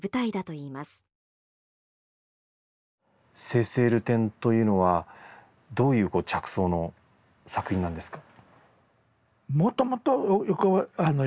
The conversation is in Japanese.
「生々流転」というのはどういう着想の作品なんですか？